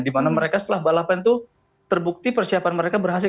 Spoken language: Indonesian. dimana mereka setelah balapan itu terbukti persiapan mereka berhasil